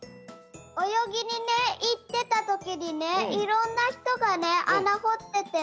およぎにねいってたときにねいろんなひとがねあなほっててね